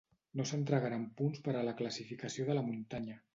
No s'entregaren punts per a la classificació de la muntanya.